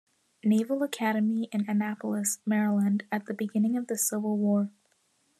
Naval Academy in Annapolis, Maryland at the beginning of the Civil War.